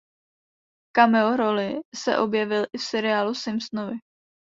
V cameo roli se objevil i v seriálu Simpsonovi.